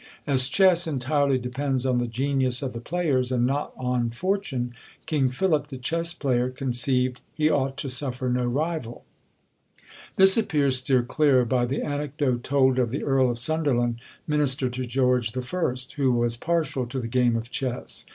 As chess entirely depends on the genius of the players, and not on fortune, King Philip the chess player conceived he ought to suffer no rival. This appears still clearer by the anecdote told of the Earl of Sunderland, minister to George I., who was partial to the game of chess.